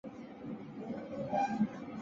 有时候。